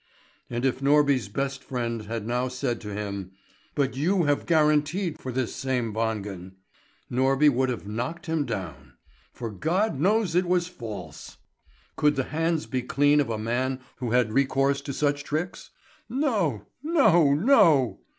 And if Norby's best friend had now said to him: "But you have guaranteed for this same Wangen," Norby would have knocked him down. For God knows it was false. Could the hands be clean of a man who had recourse to such tricks? No, no, no!